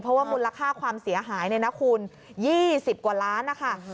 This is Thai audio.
เพราะว่ามูลค่าความเสียหายเนี่ยนะคุณ๒๐กว่าล้านนะคะ